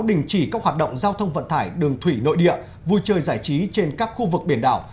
đình chỉ các hoạt động giao thông vận tải đường thủy nội địa vui chơi giải trí trên các khu vực biển đảo